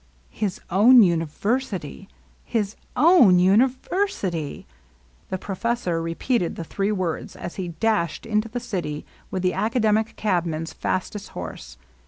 His own university ! His own university ! The professor repeated the three words, as he dashed into the city with the academic cabman's fastest horse.